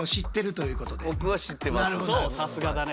さすがだね。